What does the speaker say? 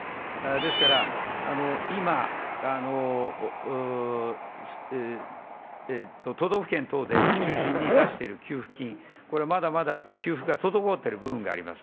ですから、今、都道府県等で中心に出している給付金、これはまだまだ給付が滞っている部分があります。